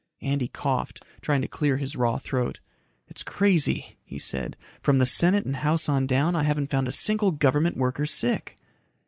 Andy coughed, trying to clear his raw throat. "It's crazy," he said. "From the Senate and House on down, I haven't found a single government worker sick."